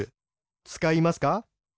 つかいますか？